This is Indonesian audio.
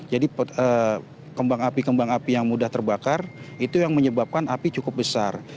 jadi kembang api kembang api yang mudah terbakar itu yang menyebabkan api cukup besar